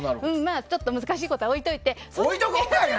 ちょっと難しいことは置いといて。